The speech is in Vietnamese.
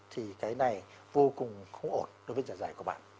thì cái này vô cùng không ổn đối với dài dài của bạn